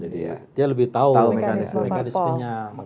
jadi dia lebih tahu mekanisme mekanisme nya